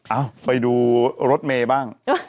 เอ้าไปดูรถเมย์บ้าง